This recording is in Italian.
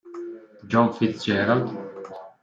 John Fitzgerald